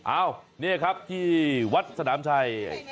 อ้าวนี่ครับที่วัดสนามชัย